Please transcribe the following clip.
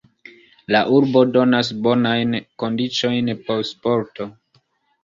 La urbo donas bonajn kondiĉojn por sporto.